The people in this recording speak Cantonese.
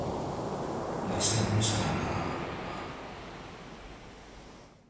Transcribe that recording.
咪生人唔生膽啦